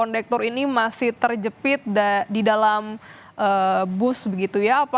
dan ada lima belas yang akan dihubungkan